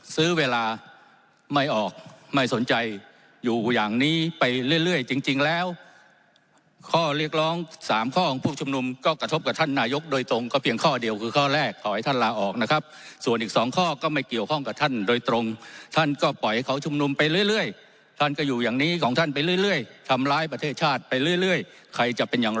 ซื้อเวลาไม่ออกไม่สนใจอยู่อย่างนี้ไปเรื่อยจริงแล้วข้อเรียกร้องสามข้อของผู้ชุมนุมก็กระทบกับท่านนายกโดยตรงก็เพียงข้อเดียวคือข้อแรกขอให้ท่านลาออกนะครับส่วนอีกสองข้อก็ไม่เกี่ยวข้องกับท่านโดยตรงท่านก็ปล่อยเขาชุมนุมไปเรื่อยท่านก็อยู่อย่างนี้ของท่านไปเรื่อยทำร้ายประเทศชาติไปเรื่อยใครจะเป็นอย่าง